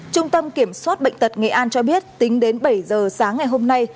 trung tâm kiểm soát bệnh tật nghệ an cho biết tính đến bảy giờ sáng ngày hôm nay